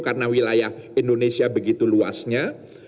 karena wilayah indonesia begitu luasnya